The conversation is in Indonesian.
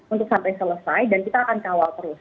untuk sampai selesai dan kita akan kawal terus